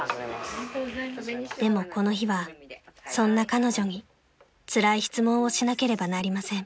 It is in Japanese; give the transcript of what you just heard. ［でもこの日はそんな彼女につらい質問をしなければなりません］